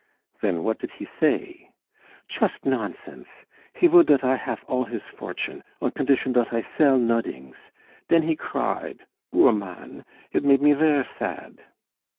"Then, what did he say?" "Chust nonsense. He vould dot I haf all his fortune, on kondition dot I sell nodings. Den he cried! Boor mann! It made me ver' sad."